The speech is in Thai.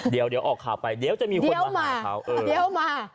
เดี๋ยวออกข่าวไปเดี๋ยวจะมีคนมาหาเขาเดี๋ยวมา